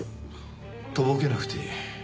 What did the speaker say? とぼけなくていい。